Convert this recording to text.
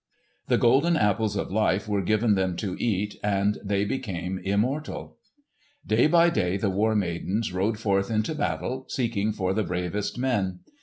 The golden apples of life were given them to eat, and they became immortal. Day by day the War Maidens rode forth into battle, seeking for the bravest men.